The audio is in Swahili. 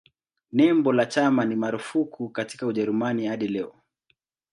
Nembo la chama ni marufuku katika Ujerumani hadi leo.